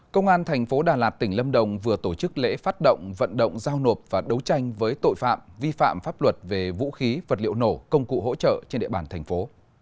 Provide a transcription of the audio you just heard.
công an thành phố đà lạt tỉnh lâm đồng vừa tổ chức lễ phát động vận động giao nộp và đấu tranh với tội phạm vi phạm pháp luật về vũ khí vật liệu nổ công cụ hỗ trợ trên địa bàn thành phố